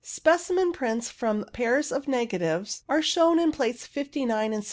Specimen prints from pairs of negatives are shown in Plates 59 and 60.